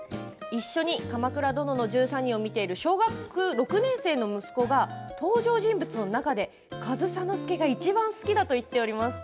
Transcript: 一緒に「鎌倉殿の１３人」を見ている小学６年生の息子が登場人物の中で上総介がいちばん好きだと言っております。